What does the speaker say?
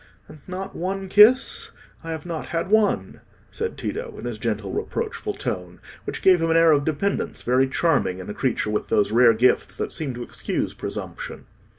"And not one kiss? I have not had one," said Tito, in his gentle reproachful tone, which gave him an air of dependence very charming in a creature with those rare gifts that seem to excuse presumption.